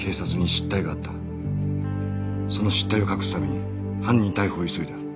その失態を隠すために犯人逮捕を急いだ。